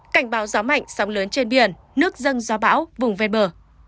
cảnh báo gió mạnh sóng lớn trên biển nước dâng gió bão vùng ven bờ